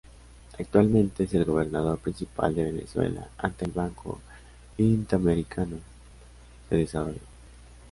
Actualmente es el gobernador principal de Venezuela ante el Banco Interamericano de Desarrollo.